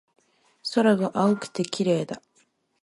空が青くて綺麗だ